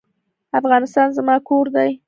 افغانستان زما کور دی.